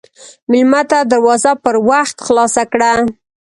مېلمه ته دروازه پر وخت خلاصه کړه.